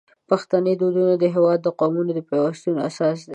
پښتني دودونه د هیواد د قومونو د پیوستون اساس دي.